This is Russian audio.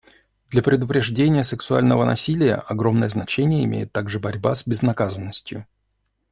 Для предупреждения сексуального насилия огромное значение имеет также борьба с безнаказанностью.